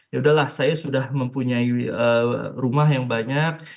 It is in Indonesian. ya udahlah saya sudah mempunyai rumah yang banyak